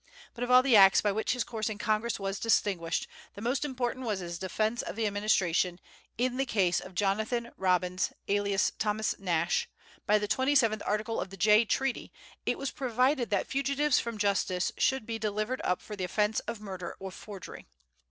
But of all the acts by which his course in Congress was distinguished, the most important was his defence of the administration, in the case of Jonathan Robbins, alias Thomas Nash, By the twenty seventh article of the Jay treaty it was provided that fugitives from justice should be delivered up for the offence of murder or forgery.